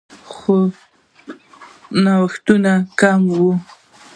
خو نوښتونه کم وو